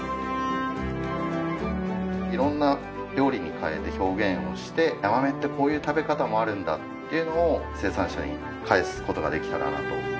色んな料理に変えて表現をしてヤマメってこういう食べ方もあるんだっていうのを生産者に返す事ができたらなと。